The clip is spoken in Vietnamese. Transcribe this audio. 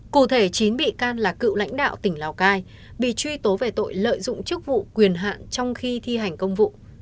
cụ thể chín bị can là cựu lãnh đạo tỉnh lào cai bị truy tố về tội lợi dụng chức vụ quyền hạn trong khi thi hành công vụ